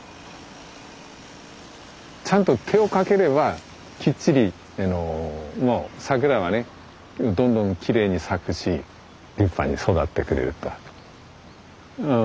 ちゃんと手をかければきっちり桜はねどんどんきれいに咲くし立派に育ってくれるから。